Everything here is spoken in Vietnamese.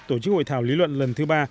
tổ chức hội thảo lý luận lần thứ ba